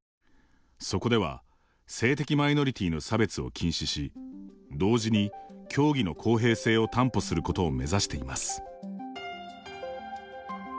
そこでは、性的マイノリティーの差別を禁止し同時に、競技の公平性を担保することを目指しています。